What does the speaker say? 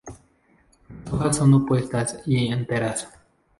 Las hojas son opuestas y enteras.